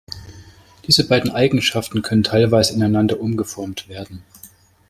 Diese beiden Eigenschaften können teilweise ineinander umgeformt werden.